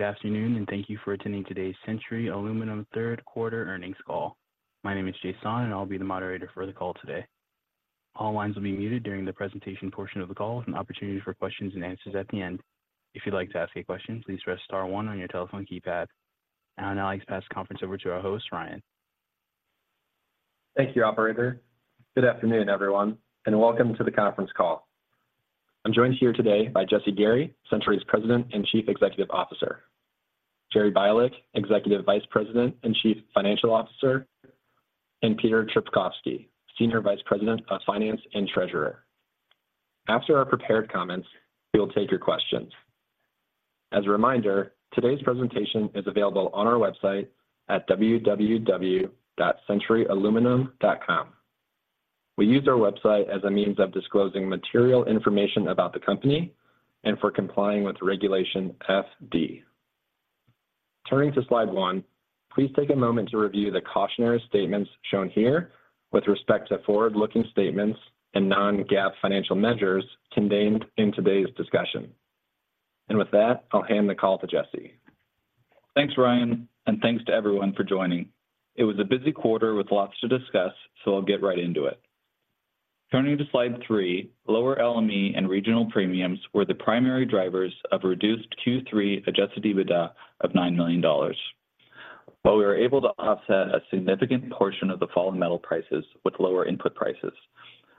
Good afternoon, and thank you for attending today's Century Aluminum Third Quarter Earnings Call. My name is Jason, and I'll be the moderator for the call today. All lines will be muted during the presentation portion of the call, with an opportunity for questions and answers at the end. If you'd like to ask a question, please press star one on your telephone keypad. I'll now pass the conference over to our host, Ryan. Thank you, operator. Good afternoon, everyone, and welcome to the conference call. I'm joined here today by Jesse Gary, Century's President and Chief Executive Officer, Jerry Bialek, Executive Vice President and Chief Financial Officer, and Peter Trpkovski, Senior Vice President, Finance and Treasurer. After our prepared comments, we will take your questions. As a reminder, today's presentation is available on our website at www.centuryaluminum.com. We use our website as a means of disclosing material information about the company and for complying with Regulation FD. Turning to slide 1, please take a moment to review the cautionary statements shown here with respect to forward-looking statements and non-GAAP financial measures contained in today's discussion. With that, I'll hand the call to Jesse. Thanks, Ryan, and thanks to everyone for joining. It was a busy quarter with lots to discuss, so I'll get right into it. Turning to slide 3, lower LME and regional premiums were the primary drivers of reduced Q3 Adjusted EBITDA of $9 million. While we were able to offset a significant portion of the fall in metal prices with lower input prices,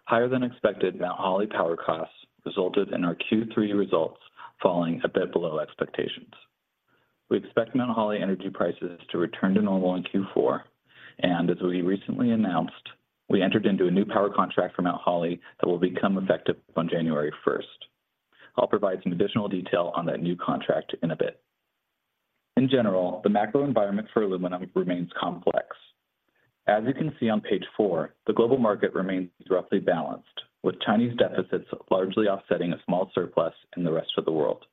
higher than expected Mt. Holly power costs resulted in our Q3 results falling a bit below expectations. We expect Mt. Holly energy prices to return to normal in Q4, and as we recently announced, we entered into a new power contract for Mt. Holly that will become effective on January first. I'll provide some additional detail on that new contract in a bit. In general, the macro environment for aluminum remains complex. As you can see on page four, the global market remains roughly balanced, with Chinese deficits largely offsetting a small surplus in the rest of the world.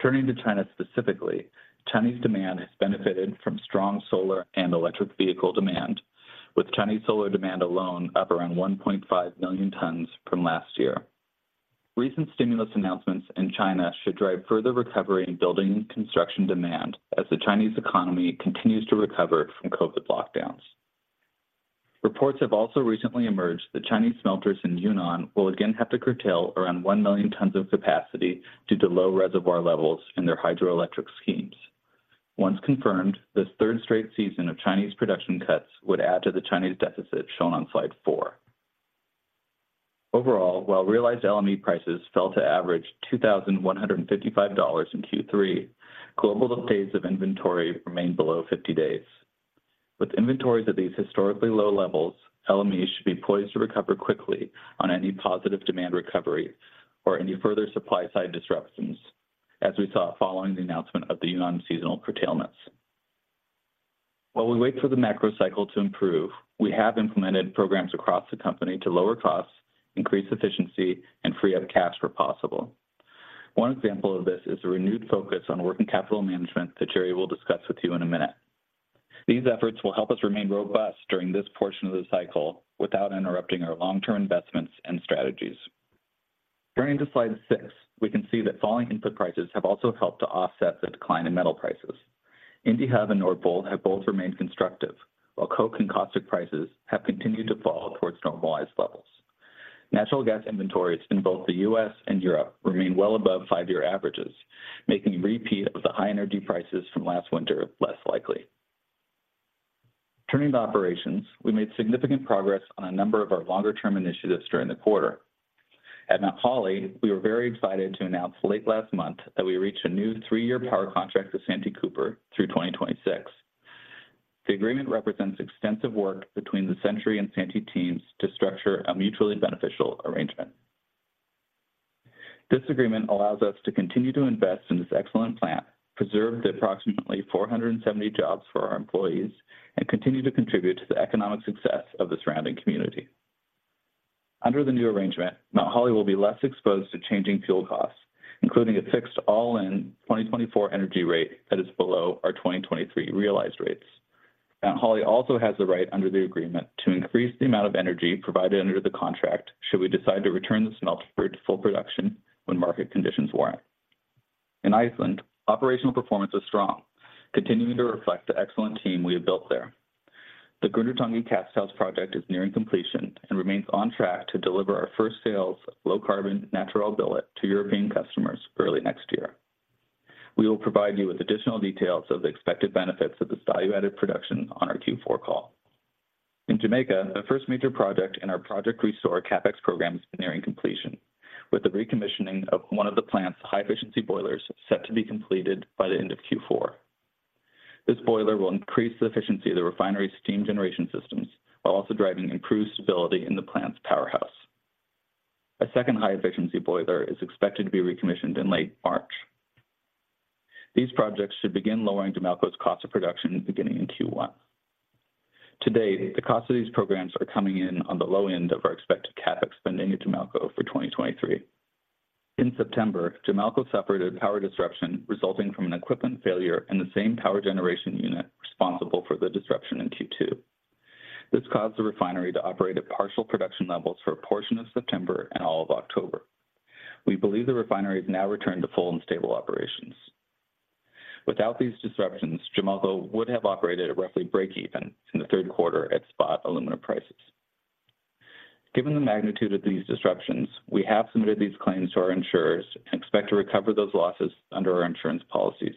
Turning to China specifically, Chinese demand has benefited from strong solar and electric vehicle demand, with Chinese solar demand alone up around 1.5 million tons from last year. Recent stimulus announcements in China should drive further recovery in building construction demand as the Chinese economy continues to recover from COVID lockdowns. Reports have also recently emerged that Chinese smelters in Yunnan will again have to curtail around 1 million tons of capacity due to low reservoir levels in their hydroelectric schemes. Once confirmed, this third straight season of Chinese production cuts would add to the Chinese deficit shown on slide four. Overall, while realized LME prices fell to average $2,155 in Q3, global days of inventory remained below 50 days. With inventories at these historically low levels, LME should be poised to recover quickly on any positive demand recovery or any further supply-side disruptions, as we saw following the announcement of the Yunnan seasonal curtailments. While we wait for the macro cycle to improve, we have implemented programs across the company to lower costs, increase efficiency, and free up cash where possible. One example of this is a renewed focus on working capital management that Jerry will discuss with you in a minute. These efforts will help us remain robust during this portion of the cycle without interrupting our long-term investments and strategies. Turning to slide 6, we can see that falling input prices have also helped to offset the decline in metal prices. Indy Hub and Nord Pool have both remained constructive, while coke and caustic prices have continued to fall towards normalized levels. Natural gas inventories in both the U.S. and Europe remain well above five-year averages, making a repeat of the high energy prices from last winter less likely. Turning to operations, we made significant progress on a number of our longer-term initiatives during the quarter. At Mt. Holly, we were very excited to announce late last month that we reached a new three-year power contract with Santee Cooper through 2026. The agreement represents extensive work between the Century and Santee teams to structure a mutually beneficial arrangement. This agreement allows us to continue to invest in this excellent plant, preserve the approximately 470 jobs for our employees, and continue to contribute to the economic success of the surrounding community. Under the new arrangement, Mt. Holly will be less exposed to changing fuel costs, including a fixed all-in 2024 energy rate that is below our 2023 realized rates. Mt. Holly also has the right under the agreement to increase the amount of energy provided under the contract, should we decide to return the smelter to full production when market conditions warrant. In Iceland, operational performance is strong, continuing to reflect the excellent team we have built there. The Grundartangi Cast House project is nearing completion and remains on track to deliver our first sales of low-carbon Natur-Al billet to European customers early next year. We will provide you with additional details of the expected benefits of this value-added production on our Q4 call. In Jamaica, the first major project in our Project Restore CapEx program is nearing completion, with the recommissioning of one of the plant's high-efficiency boilers set to be completed by the end of Q4. This boiler will increase the efficiency of the refinery's steam generation systems, while also driving improved stability in the plant's powerhouse. A second high-efficiency boiler is expected to be recommissioned in late March. These projects should begin lowering Jamalco's cost of production beginning in Q1. To date, the cost of these programs are coming in on the low end of our expected CapEx spending at Jamalco for 2023. In September, Jamalco suffered a power disruption resulting from an equipment failure in the same power generation unit responsible for the disruption in Q2. This caused the refinery to operate at partial production levels for a portion of September and all of October. We believe the refinery has now returned to full and stable operations. Without these disruptions, Jamalco would have operated at roughly breakeven in the third quarter at spot alumina prices. Given the magnitude of these disruptions, we have submitted these claims to our insurers and expect to recover those losses under our insurance policies.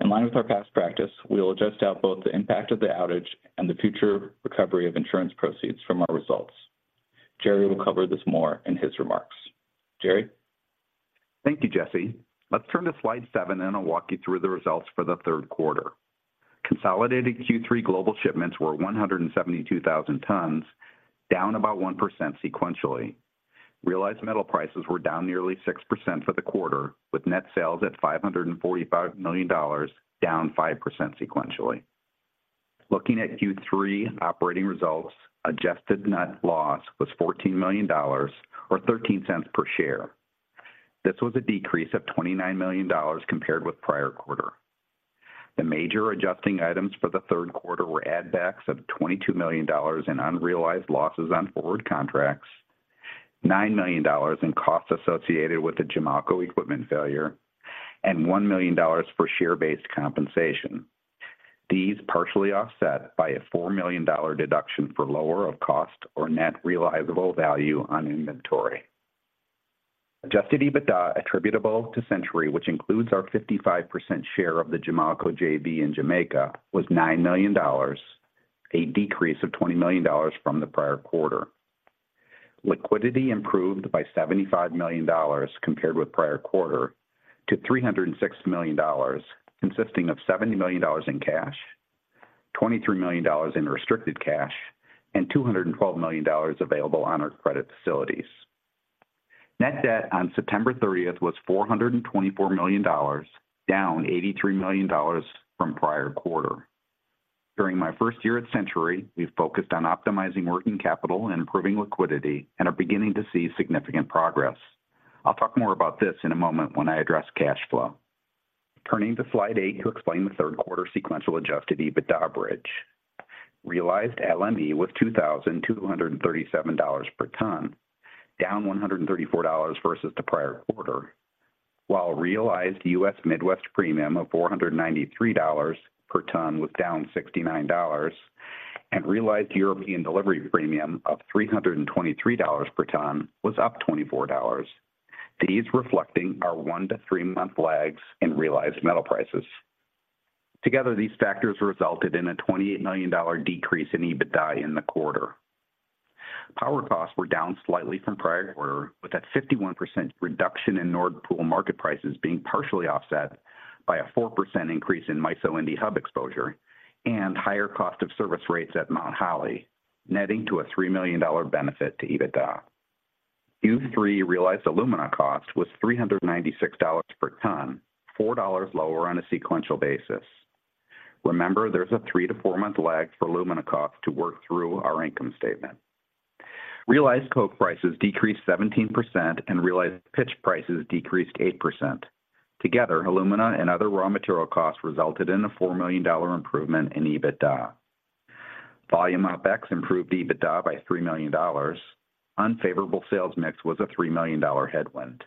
In line with our past practice, we will adjust out both the impact of the outage and the future recovery of insurance proceeds from our results. Jerry will cover this more in his remarks. Jerry? Thank you, Jesse. Let's turn to slide 7, and I'll walk you through the results for the third quarter. Consolidated Q3 global shipments were 172,000 tons, down about 1% sequentially. Realized metal prices were down nearly 6% for the quarter, with net sales at $545 million, down 5% sequentially. Looking at Q3 operating results, adjusted net loss was $14 million or $0.13 per share. This was a decrease of $29 million compared with prior quarter. The major adjusting items for the third quarter were add backs of $22 million in unrealized losses on forward contracts, $9 million in costs associated with the Jamalco equipment failure, and $1 million for share-based compensation. These partially offset by a $4 million deduction for lower of cost or net realizable value on inventory. Adjusted EBITDA attributable to Century, which includes our 55% share of the Jamalco JV in Jamaica, was $9 million, a decrease of $20 million from the prior quarter. Liquidity improved by $75 million compared with prior quarter, to $306 million, consisting of $70 million in cash, $23 million in restricted cash, and $212 million available on our credit facilities. Net debt on September thirtieth was $424 million, down $83 million from prior quarter. During my first year at Century, we've focused on optimizing working capital and improving liquidity, and are beginning to see significant progress. I'll talk more about this in a moment when I address cash flow. Turning to slide 8 to explain the third quarter sequential adjusted EBITDA bridge. Realized LME was $2,237 per ton, down $134 versus the prior quarter. While realized U.S. Midwest premium of $493 per ton was down $69, and realized European delivery premium of $323 per ton was up $24. These reflecting our 1 to 3-month lags in realized metal prices. Together, these factors resulted in a $28 million decrease in EBITDA in the quarter. Power costs were down slightly from prior quarter, with that 51% reduction in Nord Pool market prices being partially offset by a 4% increase in MISO Indy Hub exposure and higher cost of service rates at Mt. Holly, netting to a $3 million benefit to EBITDA. Q3 realized alumina cost was $396 per ton, $4 lower on a sequential basis. Remember, there's a 3- 4-month lag for alumina cost to work through our income statement. Realized coke prices decreased 17% and realized pitch prices decreased 8%. Together, alumina and other raw material costs resulted in a $4 million improvement in EBITDA. Volume OpEx improved EBITDA by $3 million. Unfavorable sales mix was a $3 million headwind.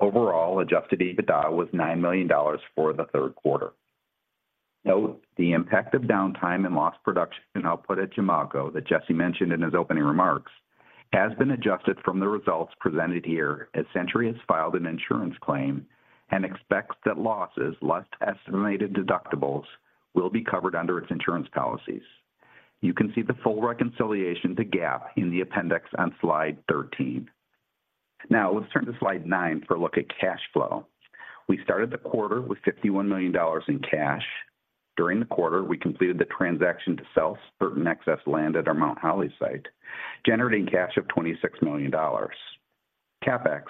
Overall, adjusted EBITDA was $9 million for the third quarter. Note, the impact of downtime and lost production output at Jamalco, that Jesse mentioned in his opening remarks, has been adjusted from the results presented here, as Century has filed an insurance claim and expects that losses, less estimated deductibles, will be covered under its insurance policies. You can see the full reconciliation to GAAP in the appendix on slide 13. Now, let's turn to slide 9 for a look at cash flow. We started the quarter with $51 million in cash. During the quarter, we completed the transaction to sell certain excess land at our Mt. Holly site, generating cash of $26 million. CapEx,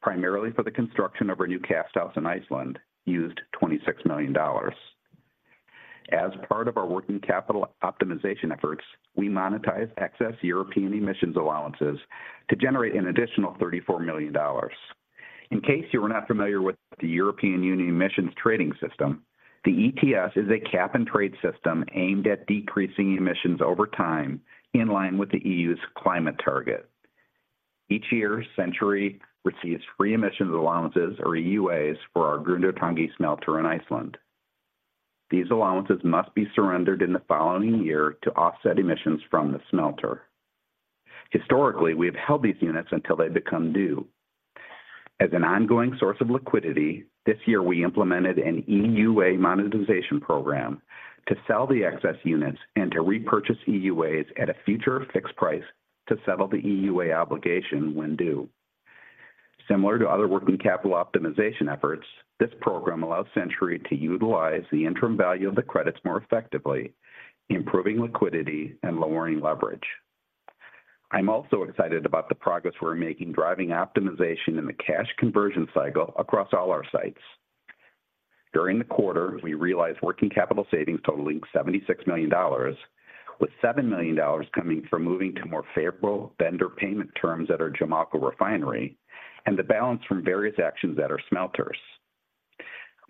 primarily for the construction of our new cast house in Iceland, used $26 million. As part of our working capital optimization efforts, we monetized excess European emissions allowances to generate an additional $34 million. In case you are not familiar with the European Union Emissions Trading System, the ETS is a cap and trade system aimed at decreasing emissions over time in line with the EU's climate target. Each year, Century receives free emissions allowances, or EUAs, for our Grundartangi smelter in Iceland. These allowances must be surrendered in the following year to offset emissions from the smelter. Historically, we've held these units until they become due. As an ongoing source of liquidity, this year we implemented an EUA monetization program to sell the excess units and to repurchase EUAs at a future fixed price to settle the EUA obligation when due. Similar to other working capital optimization efforts, this program allows Century to utilize the interim value of the credits more effectively, improving liquidity and lowering leverage. I'm also excited about the progress we're making, driving optimization in the cash conversion cycle across all our sites. During the quarter, we realized working capital savings totaling $76 million, with $7 million coming from moving to more favorable vendor payment terms at our Jamalco refinery, and the balance from various actions at our smelters.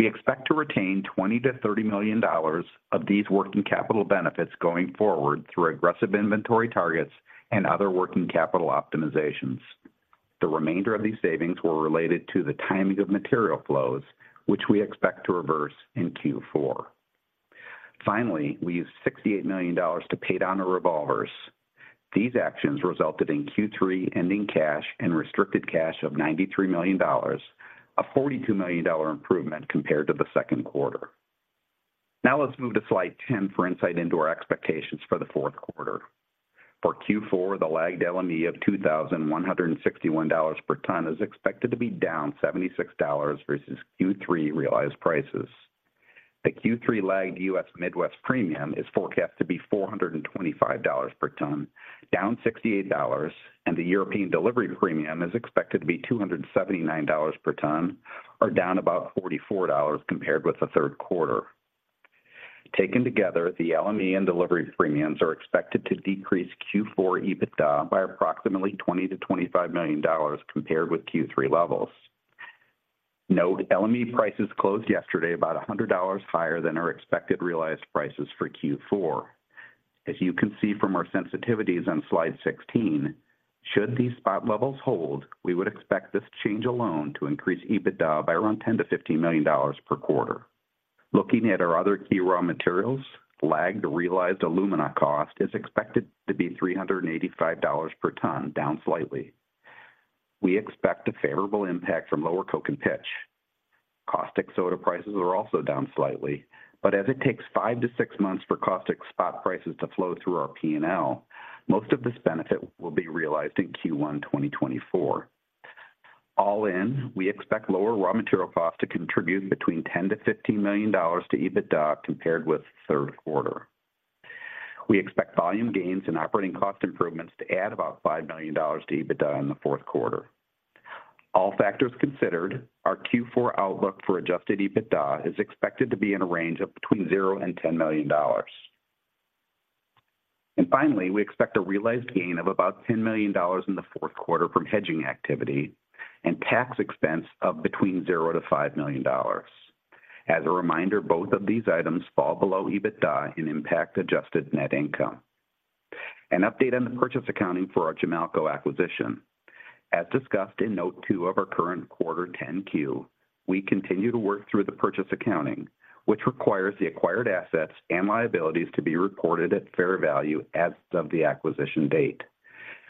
We expect to retain $20-$30 million of these working capital benefits going forward through aggressive inventory targets and other working capital optimizations. The remainder of these savings were related to the timing of material flows, which we expect to reverse in Q4. Finally, we used $68 million to pay down our revolvers. These actions resulted in Q3 ending cash and restricted cash of $93 million, a $42 million improvement compared to the second quarter. Now let's move to slide 10 for insight into our expectations for the fourth quarter. For Q4, the lagged LME of $2,161 per ton is expected to be down $76 versus Q3 realized prices. The Q3 lagged US Midwest Premium is forecast to be $425 per ton, down $68, and the European delivery premium is expected to be $279 per ton, or down about $44 compared with the third quarter. Taken together, the LME and delivery premiums are expected to decrease Q4 EBITDA by approximately $20 million-$25 million compared with Q3 levels. Note, LME prices closed yesterday about $100 higher than our expected realized prices for Q4. As you can see from our sensitivities on slide 16, should these spot levels hold, we would expect this change alone to increase EBITDA by around $10 million-$15 million per quarter. Looking at our other key raw materials, lagged realized alumina cost is expected to be $385 per ton, down slightly. We expect a favorable impact from lower coke and pitch. Caustic soda prices are also down slightly, but as it takes 5-6 months for caustic spot prices to flow through our P&L, most of this benefit will be realized in Q1, 2024. All in, we expect lower raw material costs to contribute between $10-$15 million to EBITDA compared with the third quarter. We expect volume gains and operating cost improvements to add about $5 million to EBITDA in the fourth quarter. All factors considered, our Q4 outlook for adjusted EBITDA is expected to be in a range of between $0 and $10 million. And finally, we expect a realized gain of about $10 million in the fourth quarter from hedging activity and tax expense of between $0-$5 million. As a reminder, both of these items fall below EBITDA and impact adjusted net income. An update on the purchase accounting for our Jamalco acquisition. As discussed in note 2 of our current 10-Q, we continue to work through the purchase accounting, which requires the acquired assets and liabilities to be reported at fair value as of the acquisition date.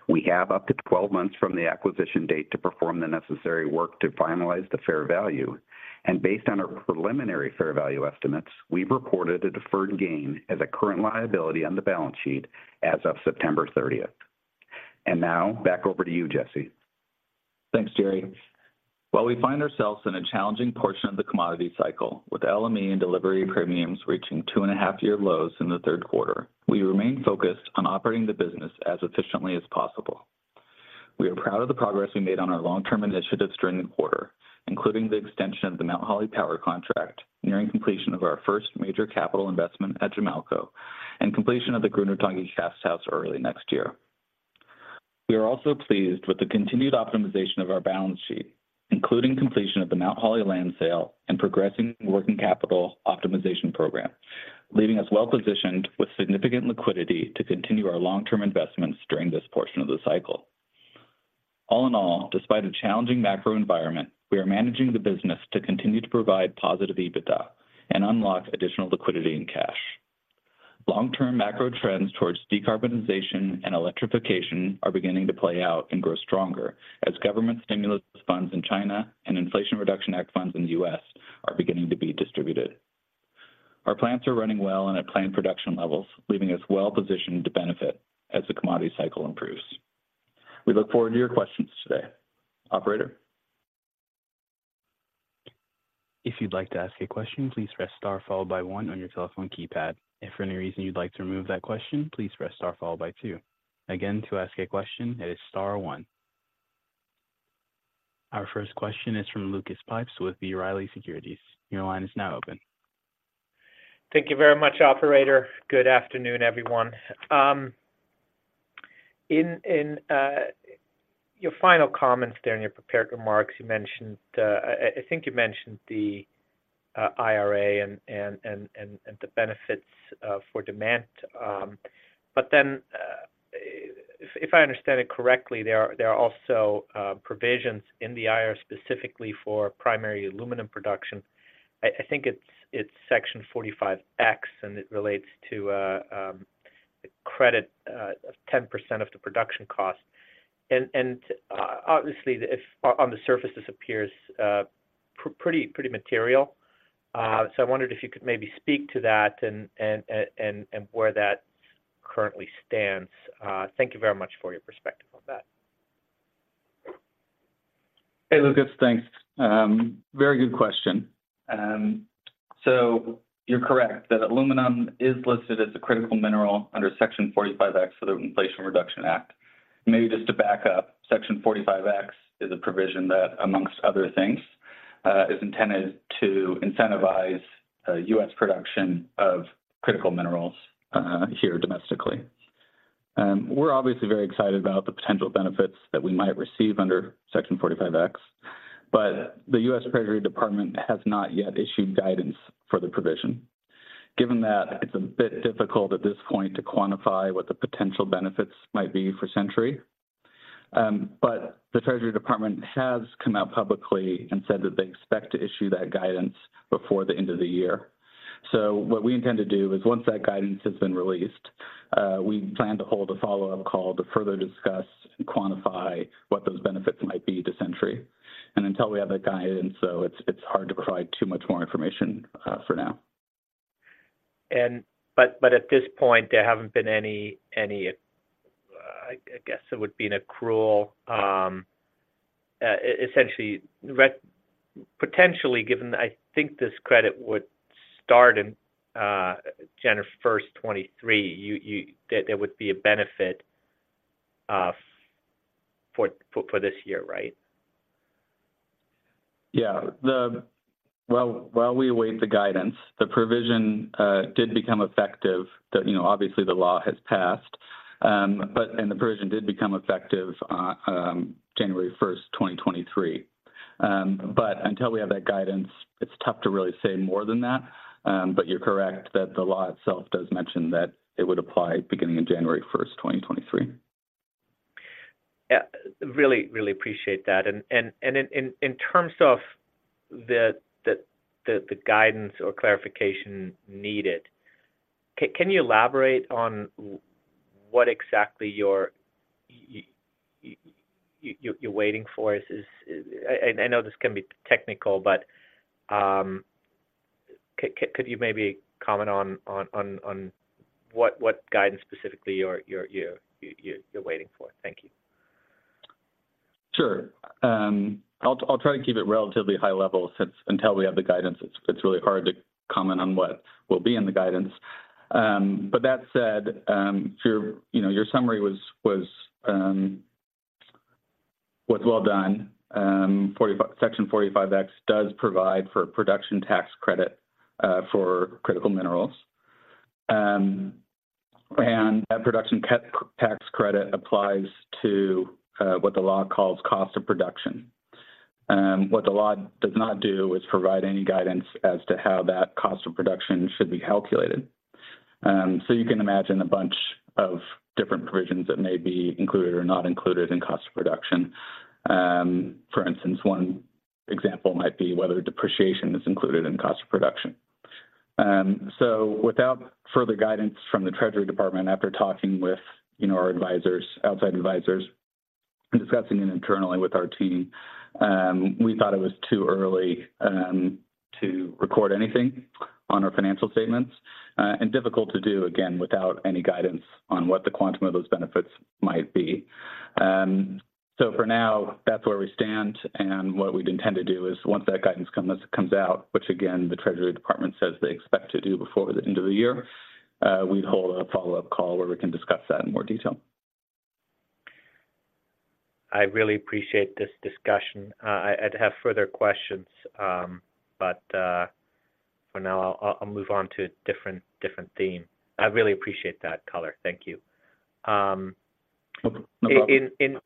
We have up to 12 months from the acquisition date to perform the necessary work to finalize the fair value, and based on our preliminary fair value estimates, we've reported a deferred gain as a current liability on the balance sheet as of September 30. Now, back over to you, Jesse. Thanks, Jerry. While we find ourselves in a challenging portion of the commodity cycle, with LME and delivery premiums reaching 2.5-year lows in the third quarter, we remain focused on operating the business as efficiently as possible. We are proud of the progress we made on our long-term initiatives during the quarter, including the extension of the Mt. Holly power contract, nearing completion of our first major capital investment at Jamalco, and completion of the Grundartangi cast house early next year. We are also pleased with the continued optimization of our balance sheet, including completion of the Mt. Holly land sale and progressing working capital optimization program, leaving us well-positioned with significant liquidity to continue our long-term investments during this portion of the cycle. All in all, despite a challenging macro environment, we are managing the business to continue to provide positive EBITDA and unlock additional liquidity and cash. Long-term macro trends towards decarbonization and electrification are beginning to play out and grow stronger as government stimulus funds in China and Inflation Reduction Act funds in the U.S. are beginning to be distributed. Our plants are running well and at planned production levels, leaving us well-positioned to benefit as the commodity cycle improves. We look forward to your questions today. Operator? If you'd like to ask a question, please press star followed by one on your telephone keypad. If for any reason you'd like to remove that question, please press star followed by two. Again, to ask a question, it is star one. Our first question is from Lucas Pipes with B. Riley Securities. Your line is now open. Thank you very much, operator. Good afternoon, everyone. In your final comments there in your prepared remarks, you mentioned... I think you mentioned the IRA and the benefits for demand, but then, if I understand it correctly, there are also provisions in the IRA specifically for primary aluminum production. I think it's Section 45X, and it relates to credit, 10% of the production cost. And obviously, if on the surface, this appears pretty material. So I wondered if you could maybe speak to that and where that currently stands. Thank you very much for your perspective on that. Hey, Lucas. Thanks. Very good question. So you're correct that aluminum is listed as a critical mineral under Section 45X of the Inflation Reduction Act. Maybe just to back up, Section 45X is a provision that, amongst other things, is intended to incentivize U.S. production of critical minerals here domestically. We're obviously very excited about the potential benefits that we might receive under Section 45X, but the U.S. Treasury Department has not yet issued guidance for the provision. Given that, it's a bit difficult at this point to quantify what the potential benefits might be for Century. But the Treasury Department has come out publicly and said that they expect to issue that guidance before the end of the year. What we intend to do is, once that guidance has been released, we plan to hold a follow-up call to further discuss and quantify what those benefits might be to Century. Until we have that guidance, it's hard to provide too much more information for now. But at this point, there haven't been any. I guess it would be an accrual, essentially, potentially given. I think this credit would start in January first, 2023. You... There would be a benefit for this year, right? Yeah. The, well, while we await the guidance, the provision did become effective. The, you know, obviously, the law has passed, but and the provision did become effective on January first, 2023. But until we have that guidance, it's tough to really say more than that. But you're correct that the law itself does mention that it would apply beginning in January first, 2023. Yeah. Really, really appreciate that. And in terms of the guidance or clarification needed, can you elaborate on what exactly you're waiting for? And I know this can be technical, but could you maybe comment on what guidance specifically you're waiting for? Thank you. Sure. I'll try to keep it relatively high level, since until we have the guidance, it's really hard to comment on what will be in the guidance. But that said, you know, your summary was well done. Section 45X does provide for production tax credit for critical minerals. And that production tax credit applies to what the law calls cost of production. What the law does not do is provide any guidance as to how that cost of production should be calculated. So you can imagine a bunch of different provisions that may be included or not included in cost of production. For instance, one example might be whether depreciation is included in cost of production. So without further guidance from the Treasury Department, after talking with, you know, our advisors, outside advisors, and discussing it internally with our team, we thought it was too early to record anything on our financial statements, and difficult to do, again, without any guidance on what the quantum of those benefits might be. So for now, that's where we stand, and what we'd intend to do is once that guidance comes, comes out, which again, the Treasury Department says they expect to do before the end of the year, we'd hold a follow-up call where we can discuss that in more detail. I really appreciate this discussion. I'd have further questions, but for now, I'll move on to a different theme. I really appreciate that color. Thank you. Okay. No problem.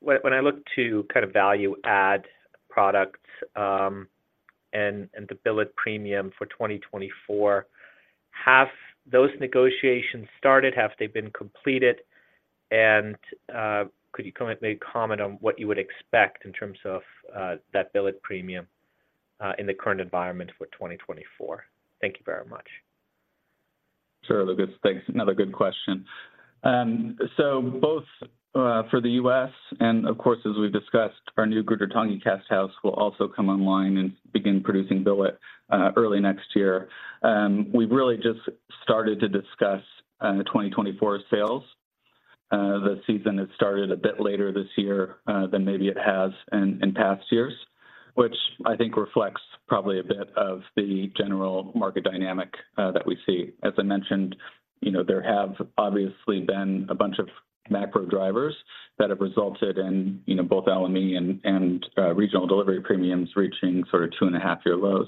When I look to kind of value add products, and the billet premium for 2024, have those negotiations started? Have they been completed? And could you comment, maybe comment on what you would expect in terms of that billet premium in the current environment for 2024? Thank you very much. Sure, Lucas. Thanks. Another good question. So both, for the U.S., and of course, as we've discussed, our new Grundartangi cast house will also come online and begin producing billet, early next year. We've really just started to discuss, 2024 sales. The season has started a bit later this year, than maybe it has in past years, which I think reflects probably a bit of the general market dynamic, that we see. As I mentioned, you know, there have obviously been a bunch of macro drivers that have resulted in, you know, both LME and regional delivery premiums reaching sort of 2.5-year lows.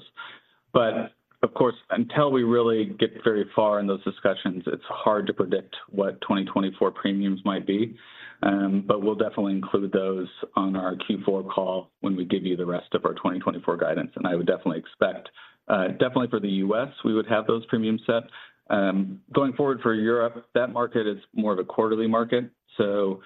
But of course, until we really get very far in those discussions, it's hard to predict what 2024 premiums might be. But we'll definitely include those on our Q4 call when we give you the rest of our 2024 guidance. And I would definitely expect, definitely for the U.S., we would have those premiums set. Going forward for Europe, that market is more of a quarterly market, so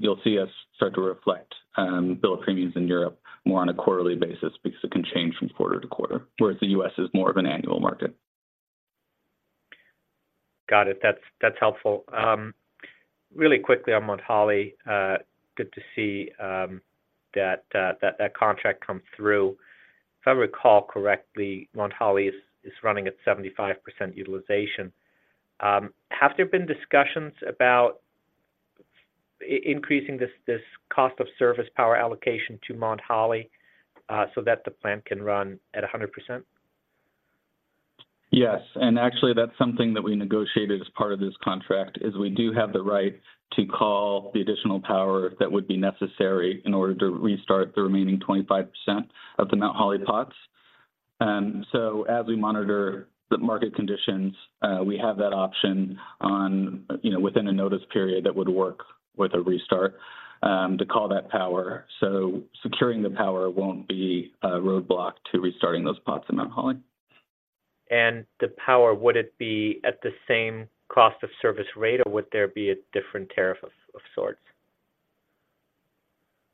you'll see us start to reflect, billet premiums in Europe more on a quarterly basis because it can change from quarter to quarter, whereas the U.S. is more of an annual market. Got it. That's helpful. Really quickly on Mt. Holly, good to see that contract come through. If I recall correctly, Mt. Holly is running at 75% utilization. Have there been discussions about increasing this cost of service power allocation to Mt. Holly, so that the plant can run at 100%? Yes, and actually, that's something that we negotiated as part of this contract, is we do have the right to call the additional power that would be necessary in order to restart the remaining 25% of the Mt. Holly pots. And so as we monitor the market conditions, we have that option on, you know, within a notice period that would work with a restart, to call that power. So securing the power won't be a roadblock to restarting those pots in Mt. Holly. The power, would it be at the same cost of service rate, or would there be a different tariff of sorts?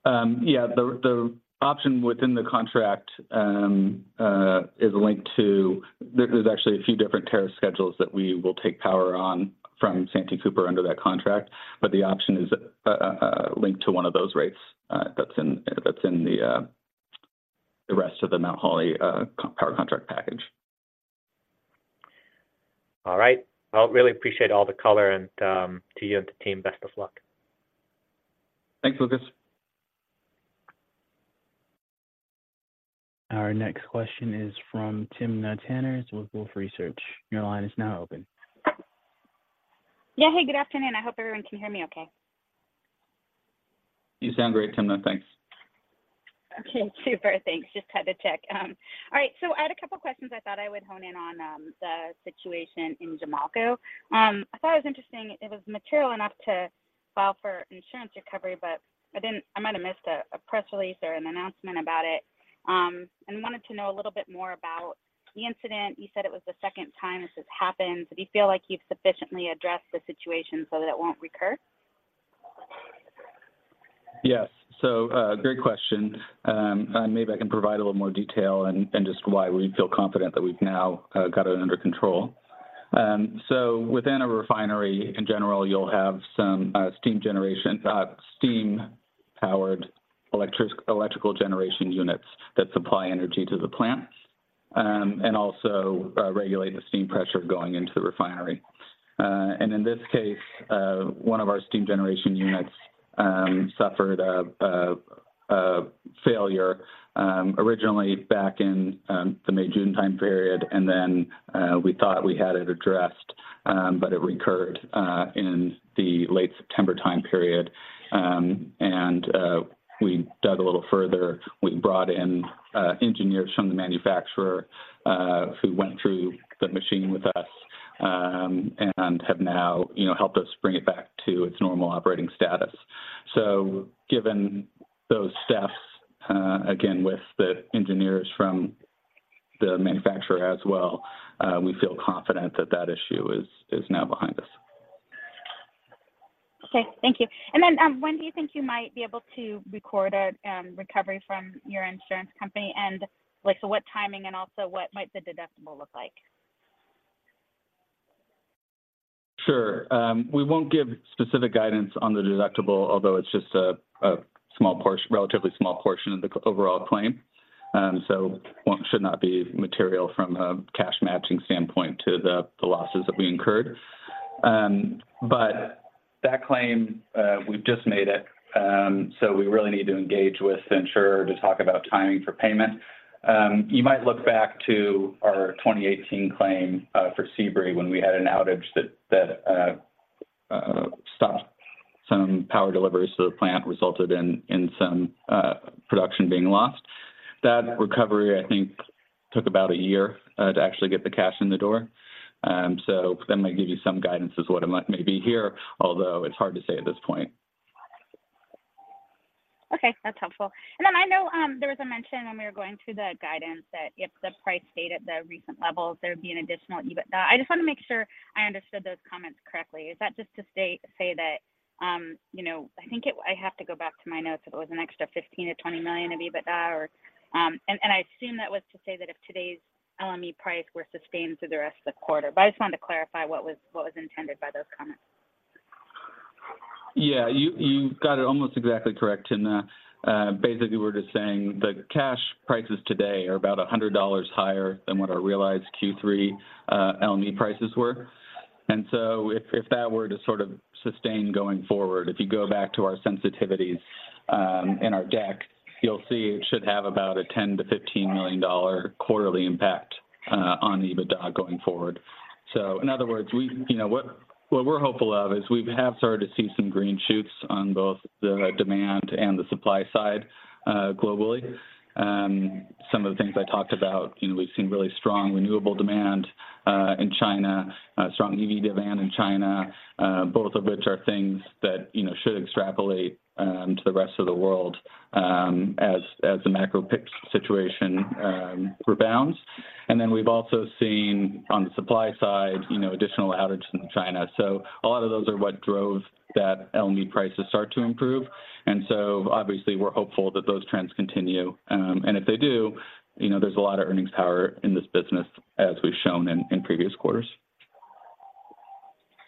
Yeah, the option within the contract is linked to. There, there's actually a few different tariff schedules that we will take power on from Santee Cooper under that contract, but the option is linked to one of those rates. That's in the rest of the Mt. Holly power contract package. All right. Well, really appreciate all the color, and to you and the team, best of luck. Thanks, Lucas. Our next question is from Timna Tanners with Wolfe Research. Your line is now open. Yeah, hey, good afternoon. I hope everyone can hear me okay. You sound great, Timna. Thanks. Okay, super. Thanks. Just had to check. All right, so I had a couple questions I thought I would hone in on the situation in Jamalco. I thought it was interesting. It was material enough to file for insurance recovery, but I didn't. I might have missed a press release or an announcement about it, and wanted to know a little bit more about the incident. You said it was the second time this has happened. Do you feel like you've sufficiently addressed the situation so that it won't recur? Yes. So, great question. And maybe I can provide a little more detail and just why we feel confident that we've now got it under control. So within a refinery, in general, you'll have some steam generation, steam-powered electrical generation units that supply energy to the plant, and also regulate the steam pressure going into the refinery. And in this case, one of our steam generation units suffered a failure originally back in the May-June time period, and then we thought we had it addressed, but it recurred in the late September time period. And we dug a little further. We brought in engineers from the manufacturer who went through the machine with us and have now, you know, helped us bring it back to its normal operating status. Given those steps, again, with the engineers from the manufacturer as well, we feel confident that that issue is, is now behind us. Okay, thank you. And then, when do you think you might be able to record a recovery from your insurance company? And like, so what timing, and also, what might the deductible look like? Sure. We won't give specific guidance on the deductible, although it's just a small portion - relatively small portion of the overall claim. So one should not be material from a cash matching standpoint to the losses that we incurred. But that claim, we've just made it, so we really need to engage with the insurer to talk about timing for payment. You might look back to our 2018 claim for Sebree, when we had an outage that stopped some power delivery to the plant, resulted in some production being lost. That recovery, I think, took about a year to actually get the cash in the door. So that might give you some guidance as to what it might be here, although it's hard to say at this point. Okay, that's helpful. And then I know there was a mention when we were going through the guidance that if the price stayed at the recent levels, there would be an additional EBITDA. I just want to make sure I understood those comments correctly. Is that just to say that? You know, I think I have to go back to my notes if it was an extra $15 million-$20 million of EBITDA or. And I assume that was to say that if today's LME price were sustained through the rest of the quarter, but I just wanted to clarify what was, what was intended by those comments. Yeah, you, you got it almost exactly correct in that, basically, we're just saying the cash prices today are about $100 higher than what our realized Q3 LME prices were. And so if, if that were to sort of sustain going forward, if you go back to our sensitivities in our deck, you'll see it should have about a $10-$15 million quarterly impact on EBITDA going forward. So in other words, we. You know, what, what we're hopeful of is we have started to see some green shoots on both the demand and the supply side globally. Some of the things I talked about, you know, we've seen really strong renewable demand in China, strong EV demand in China, both of which are things that, you know, should extrapolate to the rest of the world, as the macro picture situation rebounds. And then we've also seen on the supply side, you know, additional outages in China. So a lot of those are what drove that LME prices start to improve. And so obviously, we're hopeful that those trends continue. And if they do, you know, there's a lot of earnings power in this business, as we've shown in previous quarters.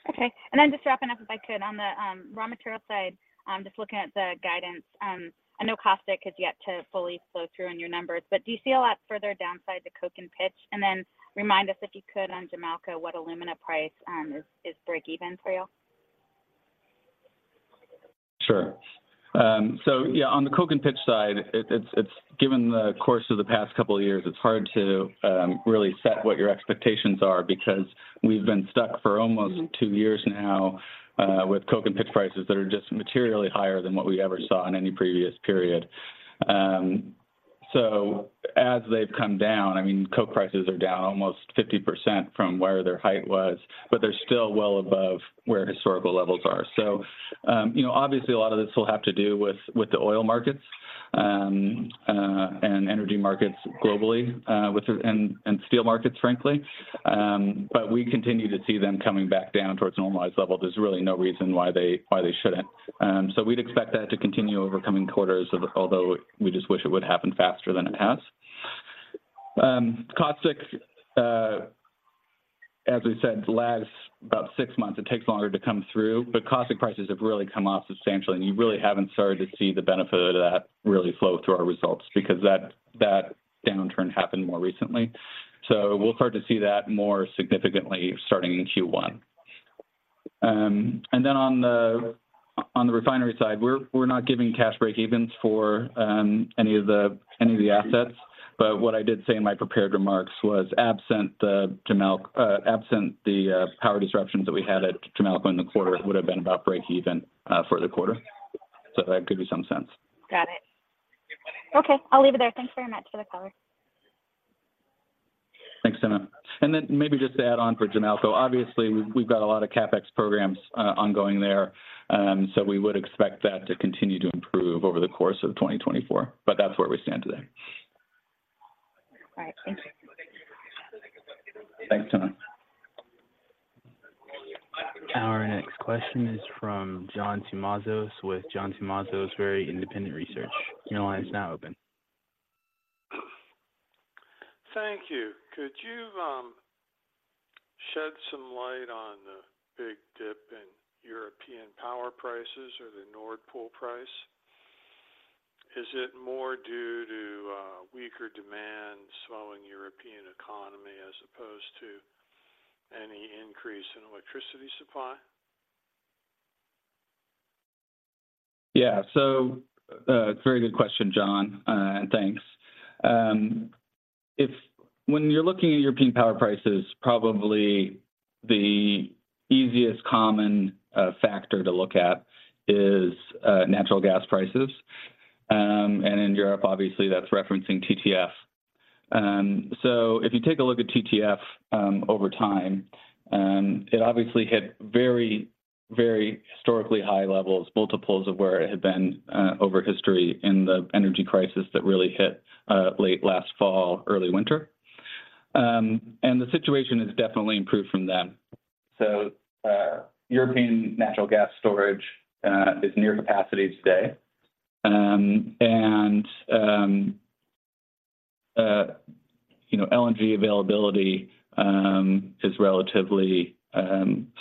Okay. And then just wrapping up, if I could, on the raw material side, I'm just looking at the guidance. I know caustic has yet to fully flow through on your numbers, but do you see a lot further downside to coke and pitch? And then remind us, if you could, on Jamalco, what alumina price is break even for you? Sure. So yeah, on the coke and pitch side, it's given the course of the past couple of years, it's hard to really set what your expectations are because we've been stuck for almost 2 years now with coke and pitch prices that are just materially higher than what we ever saw in any previous period. So as they've come down, I mean, coke prices are down almost 50% from where their height was, but they're still well above where historical levels are. So, you know, obviously a lot of this will have to do with the oil markets and energy markets globally and steel markets, frankly. But we continue to see them coming back down towards a normalized level. There's really no reason why they shouldn't. So we'd expect that to continue over coming quarters, although we just wish it would happen faster than it has. Caustics, as we said, lags about six months. It takes longer to come through, but caustic prices have really come off substantially, and you really haven't started to see the benefit of that really flow through our results because that downturn happened more recently. So we'll start to see that more significantly starting in Q1. And then on the refinery side, we're not giving cash breakevens for any of the assets. But what I did say in my prepared remarks was absent the power disruptions that we had at Jamalco in the quarter, it would have been about breakeven for the quarter. So that could be some sense. Got it. Okay, I'll leave it there. Thanks very much for the color. Thanks, Jenna. And then maybe just to add on for Jamalco. Obviously, we've got a lot of CapEx programs ongoing there, so we would expect that to continue to improve over the course of 2024, but that's where we stand today. All right. Thank you. Thanks, Jenna. Our next question is from John Tumazos with John Tumazos Very Independent Research. Your line is now open. Thank you. Could you shed some light on the big dip in European power prices or the Nord Pool price? Is it more due to weaker demand, slowing European economy, as opposed to any increase in electricity supply? Yeah. So, very good question, John, and thanks. If—when you're looking at European power prices, probably the easiest common factor to look at is natural gas prices. And in Europe, obviously, that's referencing TTF. So if you take a look at TTF, over time, it obviously hit very, very historically high levels, multiples of where it had been over history in the energy crisis that really hit late last fall, early winter. And the situation has definitely improved from then. So, European natural gas storage is near capacity today. And, you know, LNG availability is relatively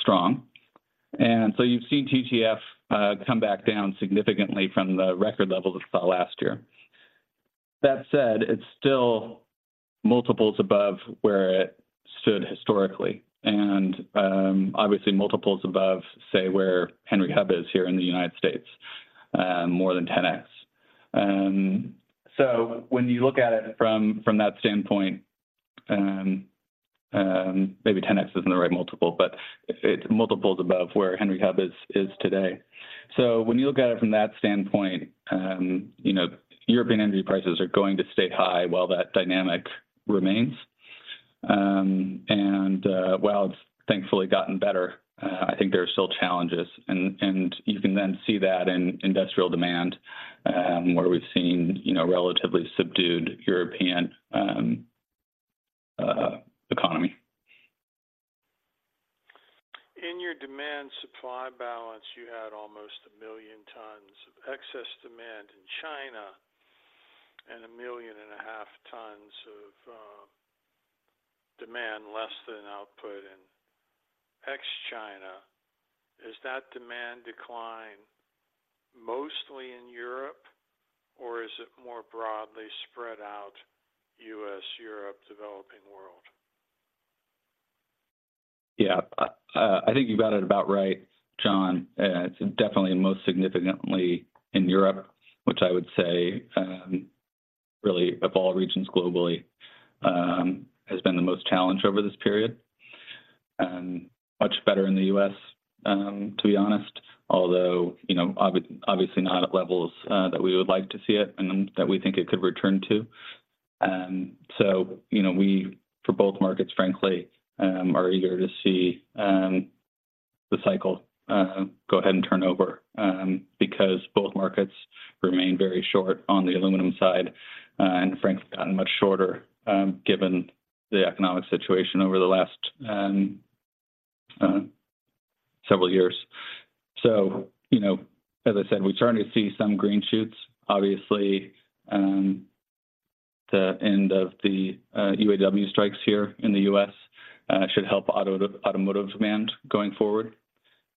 strong. And so you've seen TTF come back down significantly from the record levels we saw last year. That said, it's still multiples above where it stood historically, and, obviously multiples above, say, where Henry Hub is here in the United States, more than 10x. So when you look at it from that standpoint, maybe 10x isn't the right multiple, but it's multiples above where Henry Hub is today. So when you look at it from that standpoint, you know, European energy prices are going to stay high while that dynamic remains. And, while it's thankfully gotten better, I think there are still challenges and you can then see that in industrial demand, where we've seen, you know, relatively subdued European economy. In your demand supply balance, you had almost 1,000,000 tons of excess demand in China and 1,500,000 tons of demand less than output in ex-China. Is that demand decline mostly in Europe, or is it more broadly spread out U.S., Europe, developing world? Yeah. I think you got it about right, John. It's definitely most significantly in Europe, which I would say, really of all regions globally, has been the most challenged over this period. Much better in the U.S., to be honest, although, you know, obviously not at levels that we would like to see it and that we think it could return to. So, you know, we, for both markets, frankly, are eager to see the cycle go ahead and turn over, because both markets remain very short on the aluminum side, and frankly, gotten much shorter, given the economic situation over the last several years. So, you know, as I said, we're starting to see some green shoots. Obviously, the end of the UAW strikes here in the U.S., should help automotive demand going forward.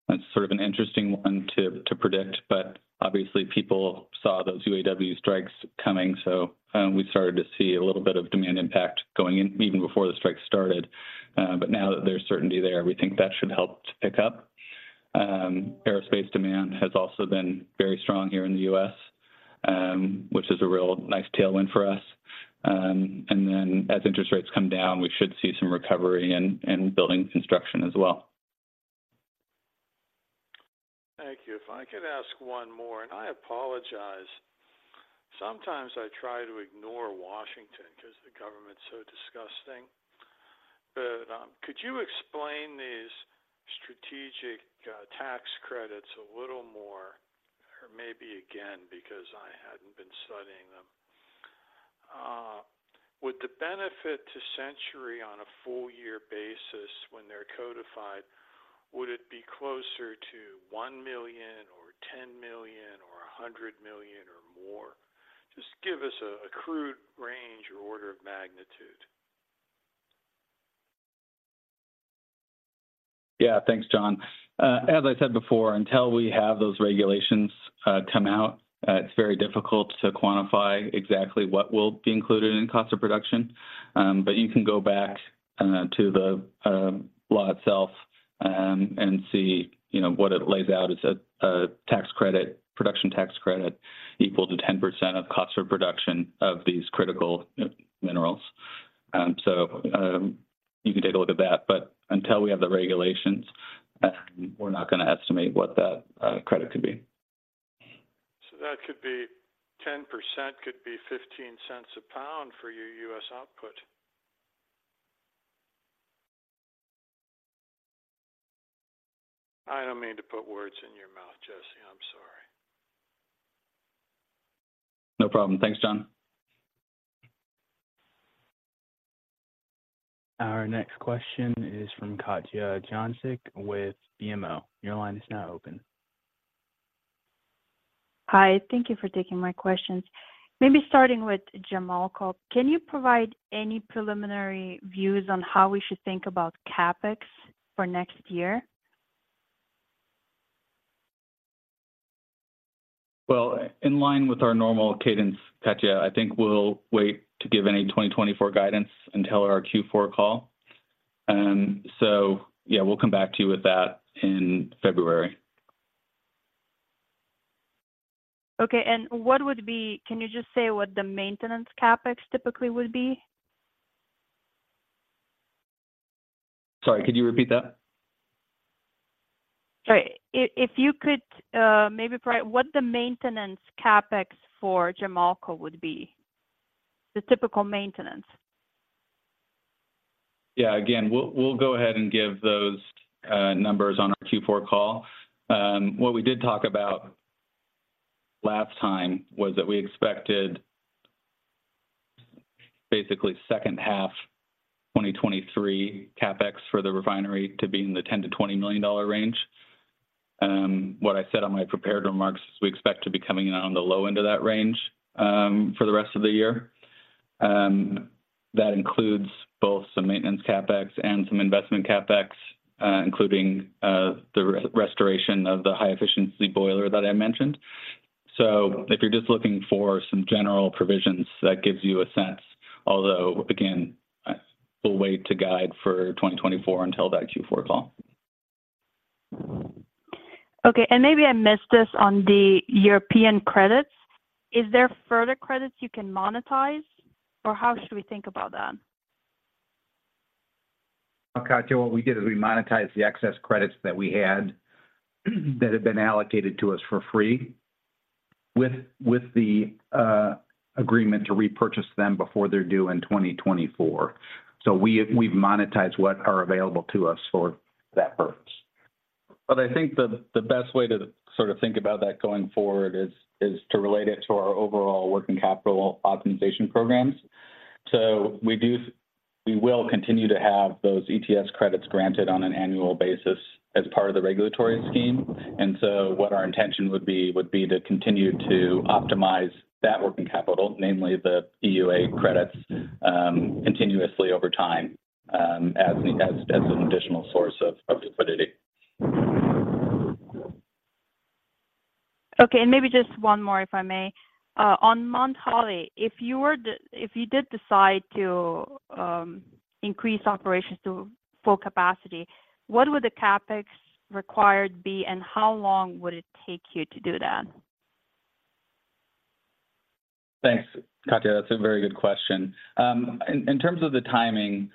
That's sort of an interesting one to predict, but obviously, people saw those UAW strikes coming, so, we started to see a little bit of demand impact going in even before the strike started. But now that there's certainty there, we think that should help to pick up. Aerospace demand has also been very strong here in the U.S., which is a real nice tailwind for us. And then as interest rates come down, we should see some recovery in building construction as well. ... I could ask one more, and I apologize. Sometimes I try to ignore Washington because the government's so disgusting. But, could you explain these strategic tax credits a little more, or maybe again, because I hadn't been studying them? Would the benefit to Century on a full year basis when they're codified, would it be closer to $1 million or $10 million or $100 million or more? Just give us a crude range or order of magnitude. Yeah, thanks, John. As I said before, until we have those regulations come out, it's very difficult to quantify exactly what will be included in cost of production. But you can go back to the law itself and see, you know, what it lays out. It's a tax credit, production tax credit equal to 10% of cost of production of these critical minerals. So you can take a look at that, but until we have the regulations, we're not going to estimate what that credit could be. So that could be 10% could be $0.15 a pound for your U.S. output. I don't mean to put words in your mouth, Jesse. I'm sorry. No problem. Thanks, John. Our next question is from Katja Jancic with BMO. Your line is now open. Hi, thank you for taking my questions. Maybe starting with Jamalco, can you provide any preliminary views on how we should think about CapEx for next year? Well, in line with our normal cadence, Katja, I think we'll wait to give any 2024 guidance until our Q4 call. So yeah, we'll come back to you with that in February. Okay, and what would be-- Can you just say what the maintenance CapEx typically would be? Sorry, could you repeat that? Sorry. If you could maybe provide what the maintenance CapEx for Jamalco would be, the typical maintenance. Yeah, again, we'll go ahead and give those numbers on our Q4 call. What we did talk about last time was that we expected basically second half 2023 CapEx for the refinery to be in the $10-$20 million range. What I said on my prepared remarks is we expect to be coming in on the low end of that range, for the rest of the year. That includes both some maintenance CapEx and some investment CapEx, including the restoration of the high efficiency boiler that I mentioned. So if you're just looking for some general provisions, that gives you a sense, although, again, we'll wait to guide for 2024 until that Q4 call. Okay. Maybe I missed this on the European credits. Is there further credits you can monetize, or how should we think about that? Well, Katja, what we did is we monetized the excess credits that we had, that had been allocated to us for free, with the agreement to repurchase them before they're due in 2024. So we, we've monetized what are available to us for that purpose. But I think the best way to sort of think about that going forward is to relate it to our overall working capital optimization programs. So we will continue to have those ETS credits granted on an annual basis as part of the regulatory scheme. And so what our intention would be would be to continue to optimize that working capital, namely the EUA credits, continuously over time, as an additional source of liquidity. Okay, and maybe just one more, if I may. On Mt. Holly, if you were to—if you did decide to increase operations to full capacity, what would the CapEx required be, and how long would it take you to do that? Thanks, Katja. That's a very good question. In terms of the timing,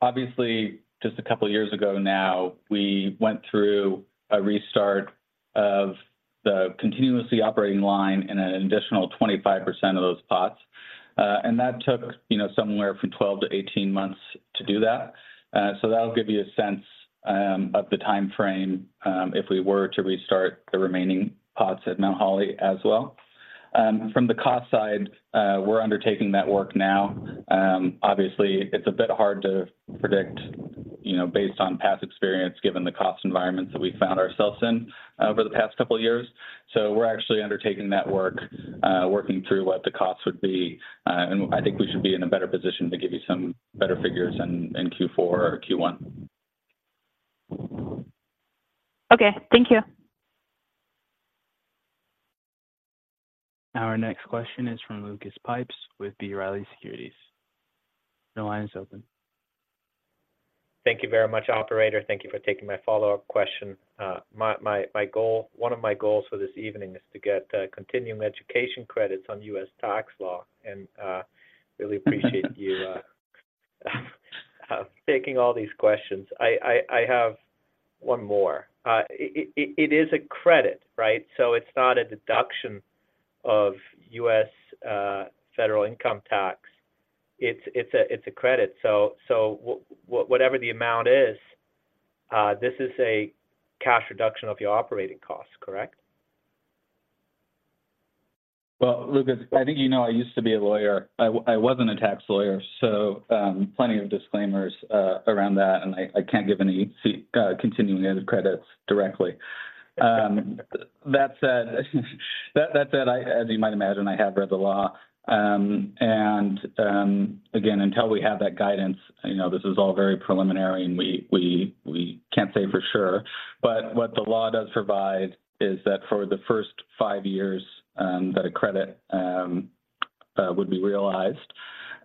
obviously just a couple of years ago now, we went through a restart of the continuously operating line in an additional 25% of those pots. And that took, you know, somewhere from 12-18 months to do that. So that'll give you a sense of the time frame if we were to restart the remaining pots at Mt. Holly as well. From the cost side, we're undertaking that work now. Obviously, it's a bit hard to predict, you know, based on past experience, given the cost environments that we found ourselves in over the past couple of years. So we're actually undertaking that work, working through what the cost would be, and I think we should be in a better position to give you some better figures in Q4 or Q1. Okay, thank you. Our next question is from Lucas Pipes with B. Riley Securities. Your line is open. Thank you very much, operator. Thank you for taking my follow-up question. My goal, one of my goals for this evening is to get continuing education credits on U.S. tax law, and really appreciate you.... taking all these questions. I have one more. It is a credit, right? So it's not a deduction of U.S. federal income tax. It's a credit, so whatever the amount is, this is a cash reduction of your operating costs, correct? Well, Lucas, I think you know I used to be a lawyer. I wasn't a tax lawyer, so plenty of disclaimers around that, and I can't give any continuing ed credits directly. That said, as you might imagine, I have read the law. And again, until we have that guidance, you know, this is all very preliminary, and we can't say for sure. But what the law does provide is that for the first five years, that a credit would be realized,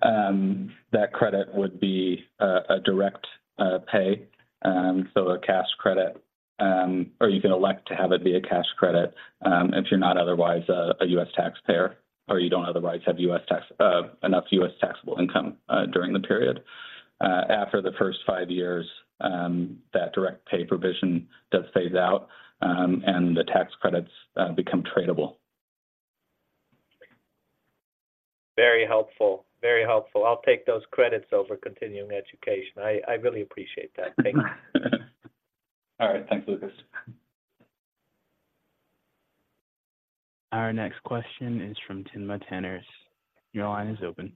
that credit would be a direct pay, so a cash credit. Or you can elect to have it be a cash credit, if you're not otherwise a U.S. taxpayer, or you don't otherwise have U.S. tax enough U.S. taxable income during the period. After the first 5 years, that direct pay provision does phase out, and the tax credits become tradable. Very helpful, very helpful. I'll take those credits over continuing education. I, I really appreciate that. Thank you. All right. Thanks, Lucas. Our next question is from Timna Tanners. Your line is open.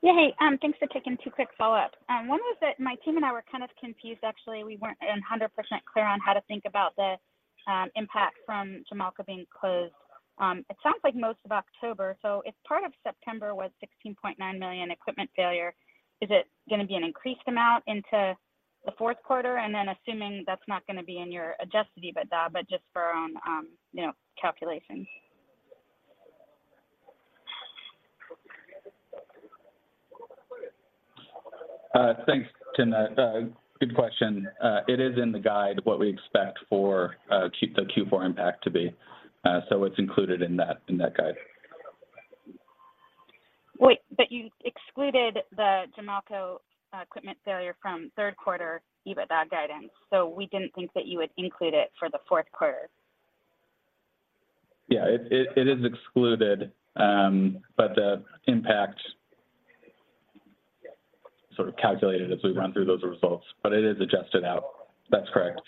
Yeah, hey, thanks for taking two quick follow-up. One was that my team and I were kind of confused, actually. We weren't 100% clear on how to think about the impact from Jamalco being closed. It sounds like most of October, so if part of September was $16.9 million equipment failure, is it gonna be an increased amount into the fourth quarter? And then assuming that's not gonna be in your Adjusted EBITDA, but just for our own, you know, calculations. Thanks, Timna. Good question. It is in the guide, what we expect for the Q4 impact to be, so it's included in that, in that guide. Wait, but you excluded the Jamalco equipment failure from third quarter EBITDA guidance, so we didn't think that you would include it for the fourth quarter. Yeah, it is excluded, but the impact sort of calculated as we run through those results, but it is adjusted out. That's correct.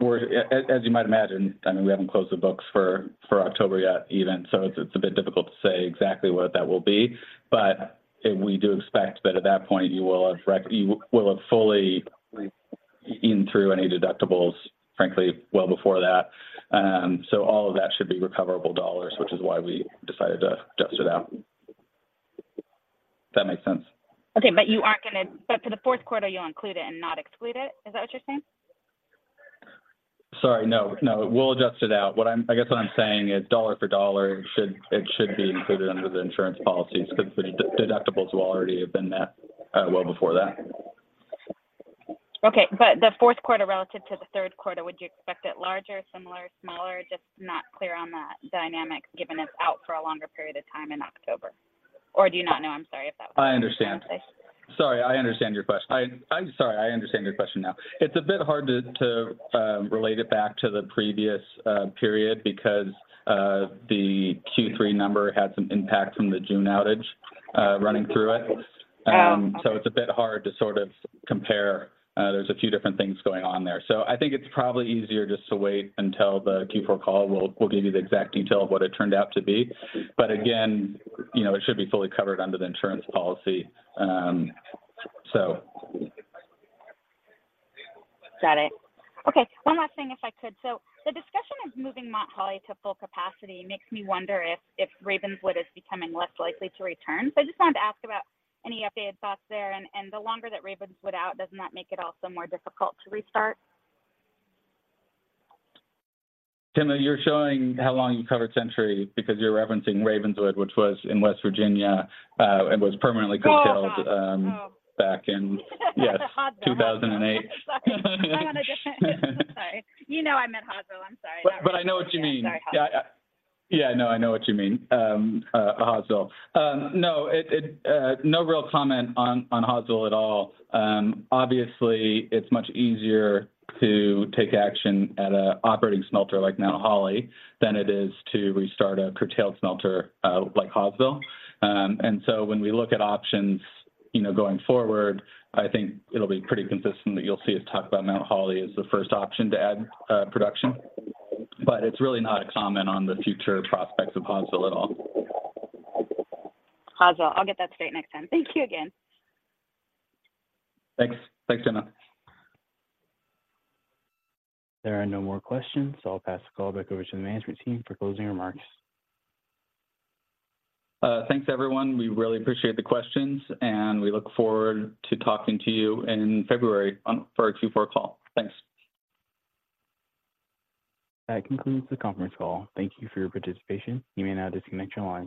We're as you might imagine, I mean, we haven't closed the books for October yet, even, so it's a bit difficult to say exactly what that will be. But, we do expect that at that point, you will have fully run through any deductibles, frankly, well before that. So all of that should be recoverable dollars, which is why we decided to adjust it out. If that makes sense. Okay, but for the fourth quarter, you'll include it and not exclude it? Is that what you're saying? Sorry, no, no, we'll adjust it out. What I'm—I guess what I'm saying is dollar for dollar, it should, it should be included under the insurance policies because the deductibles will already have been met, well before that. Okay, but the fourth quarter relative to the third quarter, would you expect it larger, similar, smaller, just not clear on that dynamic, given it's out for a longer period of time in October? Or do you not know? I'm sorry if that was- I understand. - nonsense. Sorry, I understand your question. I'm sorry, I understand your question now. It's a bit hard to relate it back to the previous period because the Q3 number had some impact from the June outage running through it. Oh, okay. So it's a bit hard to sort of compare. There's a few different things going on there. So I think it's probably easier just to wait until the Q4 call. We'll, we'll give you the exact detail of what it turned out to be, but again, you know, it should be fully covered under the insurance policy. Got it. Okay, one last thing, if I could. So the discussion of moving Mt. Holly to full capacity makes me wonder if Ravenswood is becoming less likely to return. So I just wanted to ask about any updated thoughts there, and the longer that Ravenswood out, doesn't that make it also more difficult to restart? Timna, you're showing how long you covered Century because you're referencing Ravenswood, which was in West Virginia, and was permanently curtailed- Oh, gosh! back in, yes Not the Hawesville.... 2008. Sorry. You know I meant Hawesville, I'm sorry. But I know what you mean. Yeah, sorry. Yeah, yeah, no, I know what you mean, Hawesville. No, it no real comment on Hawesville at all. Obviously, it's much easier to take action at an operating smelter like Mt. Holly than it is to restart a curtailed smelter, like Hawesville. And so when we look at options, you know, going forward, I think it'll be pretty consistent that you'll see us talk about Mt. Holly as the first option to add production. But it's really not a comment on the future prospects of Hawesville at all. Hawesville. I'll get that straight next time. Thank you again. Thanks. Thanks, Timna. There are no more questions, so I'll pass the call back over to the management team for closing remarks. Thanks, everyone. We really appreciate the questions, and we look forward to talking to you in February for our Q4 call. Thanks. That concludes the conference call. Thank you for your participation. You may now disconnect your lines.